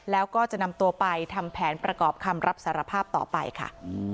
แล้วก็จะนำตัวไปทำแผนประกอบคำรับสารภาพต่อไปค่ะ